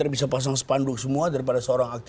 bisa pasang sepanduk semua daripada seorang akti